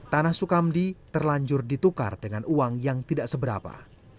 tanah sukamdi terlanjur ditukar dengan uang yang tidak seberapa